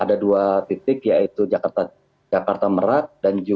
ada dua titik yaitu jakarta merak